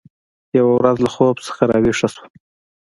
یوه ورځ له خوب څخه راویښه شوه